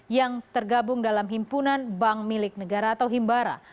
yang tergabung dalam himpunan bank milik negara atau himbara